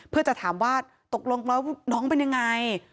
เพื่อจะถามว่าตกลงแล้วน้องเป็นยังไง